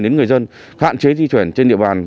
đến người dân hạn chế di chuyển trên địa bàn